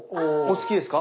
大好きです。